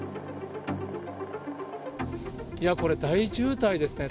これ、大渋滞ですね。